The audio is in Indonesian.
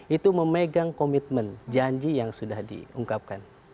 itu memegang komitmen janji yang sudah diungkapkan